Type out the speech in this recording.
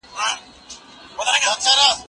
زه بايد بازار ته ولاړ سم؟